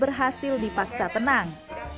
berhasil dipaksa tenang